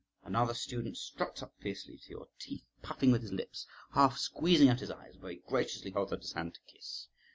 Another student struts up fiercely to your teeth, puffing with his lips, half squeezing out his eyes, and very graciously holds out his hand to kiss.